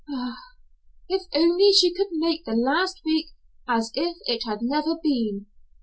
Ah! If only she could make the last week as if it had never been!